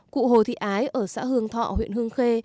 cụ hồ thị ái ở xã hương thọ huyện hương khê